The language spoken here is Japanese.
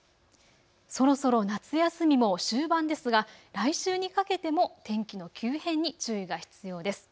そろそろ夏休みも終盤ですが来週にかけても天気の急変に注意が必要です。